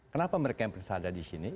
kenapa mereka yang bisa ada di sini